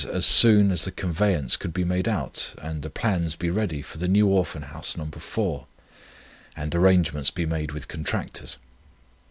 as soon as the conveyance could be made out, and the plans be ready for the New Orphan House No. 4, and arrangements be made with contractors.